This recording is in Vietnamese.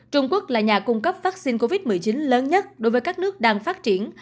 trung quốc là nhà cung cấp vaccine covid một mươi chín lớn nhất đối với các nước đang phát triển